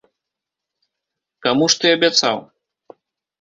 Каму ж ты абяцаў?